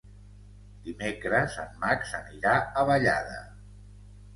Dimecres en Max anirà a Vallada.